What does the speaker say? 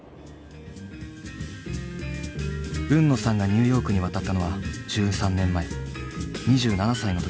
海野さんがニューヨークに渡ったのは１３年前２７歳の時だった。